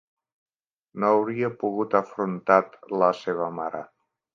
No hauria pogut afrontat la seva mare.